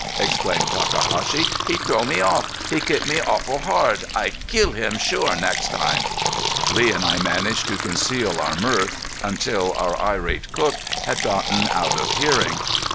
exclaimed Takahashi. "He throw me off!... He kick me awful hard! I kill him sure next time." Lee and I managed to conceal our mirth until our irate cook had gotten out of hearing.